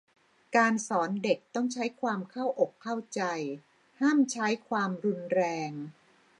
การสอนเด็กต้องใช้ความเข้าอกเข้าใจ ห้ามใช้ความรุนแรง